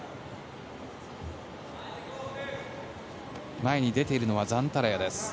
前に出ているのはザンタラヤです。